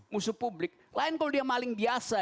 musuh publik lain kalau dia maling biasa